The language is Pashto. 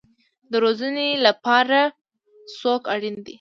د روزنې لپاره څوک اړین دی؟